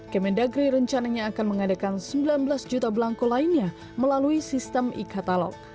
kemendagri rencananya akan mengadakan sembilan belas juta belangko lainnya melalui sistem e katalog